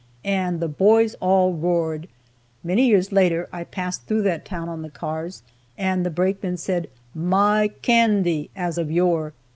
and the boys all roared. Many years later I passed through that town on the cars, and the brakeman said "My candy," as of yore.